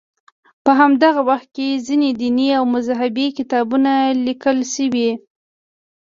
په همدغه وخت کې ځینې دیني او مذهبي کتابونه لیکل شوي.